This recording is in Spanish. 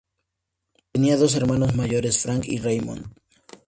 Tenía dos hermanos mayores, Frank y Raymond.